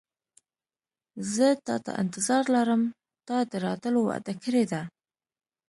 زه تاته انتظار لرم تا د راتلو وعده کړې ده.